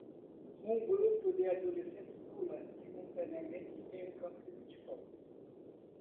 Um grupo de adolescentes pula simultaneamente em um campo de futebol.